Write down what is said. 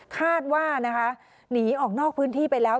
คาดว่านะคะหนีออกนอกพื้นที่ไปแล้ว